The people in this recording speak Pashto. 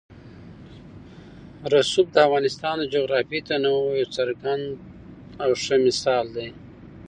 رسوب د افغانستان د جغرافیوي تنوع یو څرګند او ښه مثال دی.